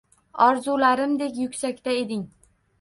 Orzularimdek yuksakda eding.